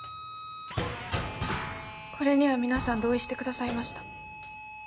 これには皆さん同意してくださいました。